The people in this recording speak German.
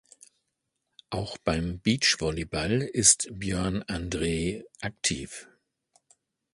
Auch beim Beachvolleyball ist Björn Andrae aktiv.